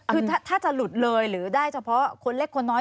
คือถ้าจะหลุดเลยหรือได้เฉพาะคนเล็กคนน้อย